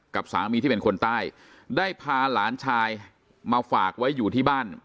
กับสามีที่เป็นคนใต้ได้พาหลานชายมาฝากไว้อยู่ที่บ้าน